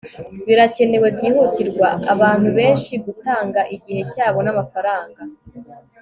birakenewe byihutirwa abantu benshi gutanga igihe cyabo namafaranga